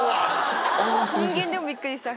人間でもびっくりしちゃう。